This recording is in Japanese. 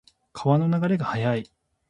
川の流れが速い。